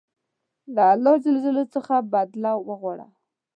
له الله ج څخه بدله وغواړه.